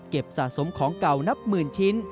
สะสมของเก่านับหมื่นชิ้น